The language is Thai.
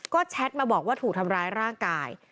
ก็แชทมาบอกว่าถูกทำร้ายร่างกาย